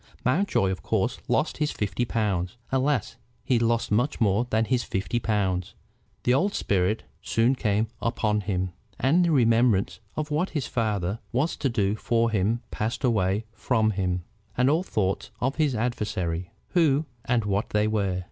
Mountjoy of course lost his fifty pounds. Alas! he lost much more than his fifty pounds. The old spirit soon came upon him, and the remembrance of what his father was to do for him passed away from him, and all thoughts of his adversaries, who and what they were.